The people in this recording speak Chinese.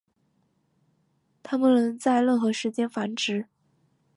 它们能在任何时间繁殖。